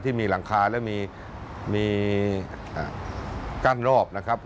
ที่มีหลังคาและมีกั้นรอบนะครับ